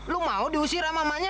lo mau diusir sama mamanya